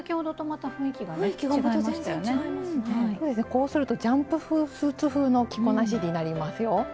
こうするとジャンプスーツ風の着こなしになりますよ。